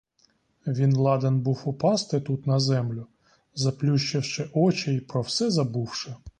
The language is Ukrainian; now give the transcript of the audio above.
Він ладен був упасти тут на землю, заплющивши очі й про все забувши.